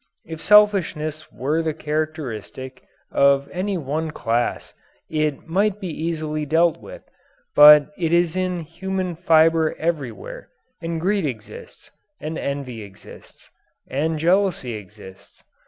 If selfishness were the characteristic of any one class it might be easily dealt with, but it is in human fibre everywhere. And greed exists. And envy exists. And jealousy exists.